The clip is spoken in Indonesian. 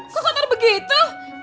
kok kotor begitu